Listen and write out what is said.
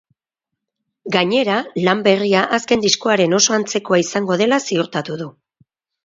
Gainera, lan berria azken diskoaren oso antzekoa izango dela ziurtatu du.